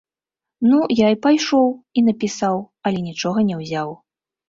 Ну я і пайшоў, і напісаў, але нічога не ўзяў.